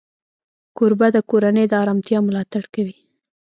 کوربه د کورنۍ د آرامتیا ملاتړ کوي.